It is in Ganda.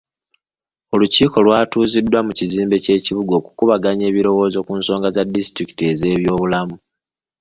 Olukiiko lwatuuziddwa mu kizimbe ky'ekibuga okukubaganya ebirowoozo ku nsonga za disituliki ez'ebyobulamu.